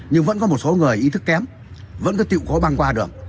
nhưng vẫn có một số người ý thức kém vẫn cứ tự khó băng qua đường